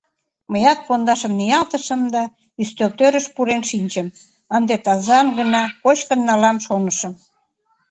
Мыят пондашым ниялтышым да ӱстелтӧрыш пурен шинчым, ынде тазан гына кочкын налам шонышым...